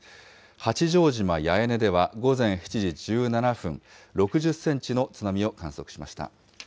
八丈島八重根では、午前７時１７分、６０センチの津波を観測しました。